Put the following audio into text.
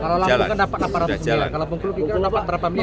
kalau lampung kan dapat aparatus kalau bengkulu taba berapa